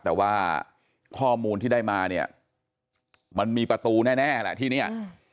แต่ว่าข้อมูลที่ได้มาเนี่ยมันมีประตูแน่แหละที่เนี่ย